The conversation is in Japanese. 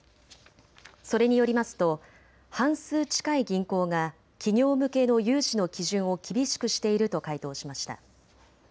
それによりますと半数近い銀行が企業向けの融資の基準を厳しくしていると回答しました。